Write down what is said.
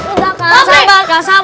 udah kak sabar kak sabar